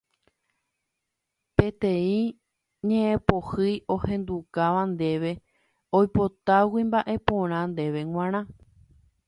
Peteĩ ñe'ẽpohýi ohendukáva ndéve oipotágui mba'e porã ndéve g̃uarã